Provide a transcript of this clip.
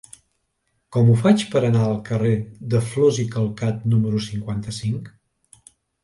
Com ho faig per anar al carrer de Flos i Calcat número cinquanta-cinc?